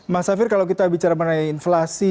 mas safir kalau kita bicara mengenai inflasi